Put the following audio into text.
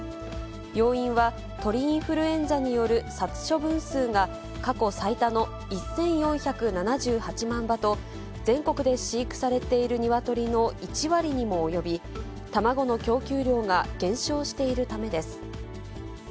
要因は鳥インフルエンザによる殺処分数が過去最多の１４７８万羽と、全国で飼育されている鶏の１割にも及び、卵の供給量が減少しているためです。